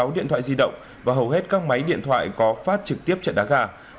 một mươi điện thoại di động và hầu hết các máy điện thoại có phát trực tiếp trận đá gà